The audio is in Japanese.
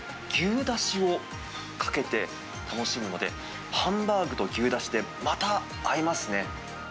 牛だしをかけて楽しむので、ハンバーグと牛だしで、また合いますね。